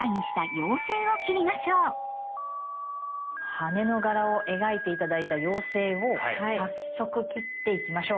羽の柄を描いて頂いた妖精を早速切っていきましょう。